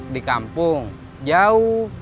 di kampung jauh